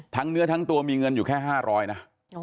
เนื้อทั้งตัวมีเงินอยู่แค่๕๐๐นะ